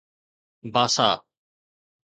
باسا